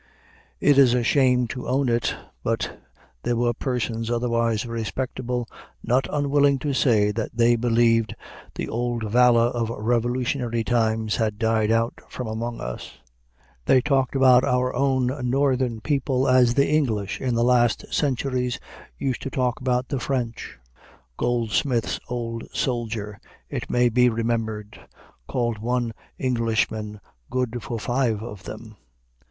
It is a shame to own it, but there were persons otherwise respectable not unwilling to say that they believed the old valor of Revolutionary times had died out from among us. They talked about our own Northern people as the English in the last centuries used to talk about the French, Goldsmith's old soldier, it may be remembered, called one Englishman good for five of them.